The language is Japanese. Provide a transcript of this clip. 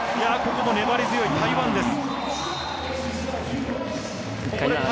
ここも粘り強い台湾です。